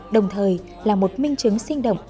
đồng thời là một minh chứng sinh động